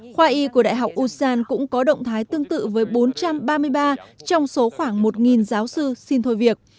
khoa y của đại học usan cũng có động thái tương tự với bốn trăm ba mươi ba trong số khoảng một giáo sư xin thôi việc